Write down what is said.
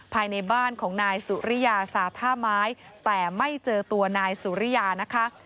ภายในบ้านของนายสุริยาสาท่าไม้แต่ไม่เจอตัวนายสุริยานะคะ